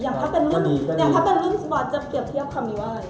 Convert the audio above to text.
อย่างถ้าเป็นรุ่นอย่างถ้าเป็นรุ่นกว่าจะเปรียบเทียบคำนี้ว่าอะไร